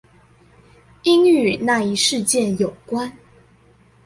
應與那一事件有關？